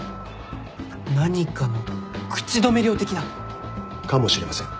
何かの口止め料的な？かもしれません。